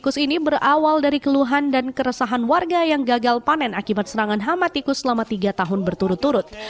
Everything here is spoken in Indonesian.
kukus ini berawal dari keluhan dan keresahan warga yang gagal panen akibat serangan hama tikus selama tiga tahun berturut turut